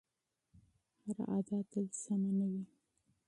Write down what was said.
هره ادعا تل سمه نه وي.